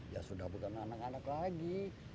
ya sudah bukan anak anak lagi